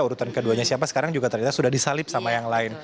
urutan keduanya siapa sekarang juga ternyata sudah disalib sama yang lain